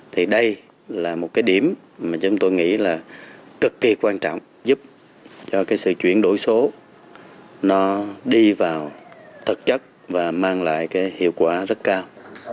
thì đây là một cái điểm mà chúng tôi nghĩ là cực kỳ quan trọng giúp cho cái sự chuyển đổi số nó đi vào thực chất và mang lại cái hiệu quả rất cao